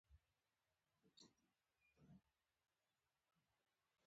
په ليکلې بڼه راته ښکنځل کوي.